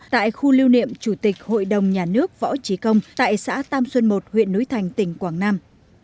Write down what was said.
tại khu lưu niệm chủ tịch hội đồng nhà nước võ trí công tại xã tam xuân một huyện núi thành tỉnh quảng nam